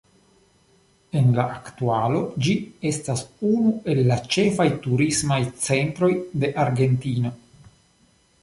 En la aktualo ĝi estas unu el ĉefaj turismaj centroj de Argentino.